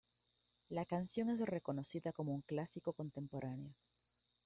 La canción es reconocida como un Clásico Contemporáneo.